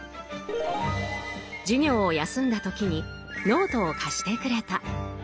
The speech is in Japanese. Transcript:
授業を休んだ時にノートを貸してくれた。